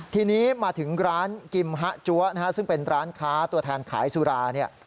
ทีนี้มาถึงร้านกิมฮะจั๊วนะฮะซึ่งเป็นร้านค้าตัวแทนขายสุราเนี่ย